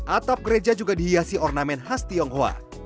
atap gereja juga dihiasi ornamen khas tionghoa